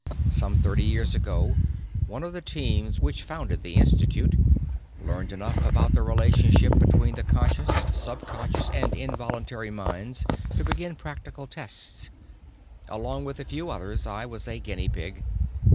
"Some thirty years ago one of the teams which founded the Institute learned enough about the relationship between the conscious, subconscious and involuntary minds to begin practical tests. Along with a few others I was a guinea pig.